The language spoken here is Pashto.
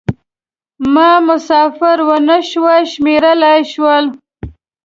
ما مسافر و نه شوای شمېرلای شول.